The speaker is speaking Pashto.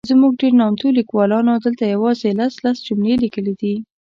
زموږ ډېر نامتو لیکوالانو دلته یوازي لس ،لس جملې لیکلي دي.